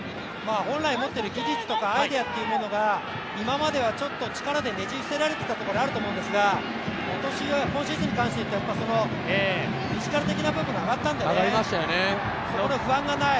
本来持っている技術とかアイデアが今まではちょっと力でねじ伏せられていたところがあると思うんですが、今シーズンに関して言うとフィジカル的な部分が上がったんでね、そこの不安がない。